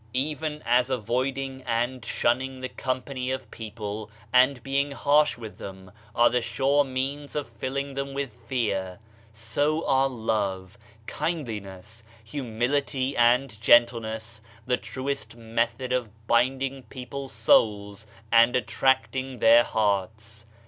Even as avoiding and shunning the company of people and being harsh with them are the sure means of filling them with fear, so are love, kindli ness, humility and gentleness the truest method of binding people's souls and attracting their hearts.